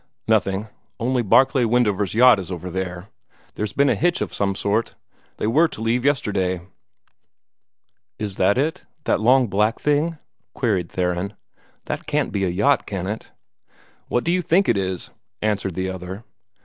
"Nothing; only Barclay Wendover's yacht is still there. There's been a hitch of some sort. They were to have left yesterday." "Is that it that long black thing?" queried Theron. "That can't be a yacht, can it?" "What do you think it is?" answered the other.